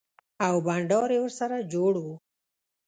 او بنډار يې ورسره جوړ و.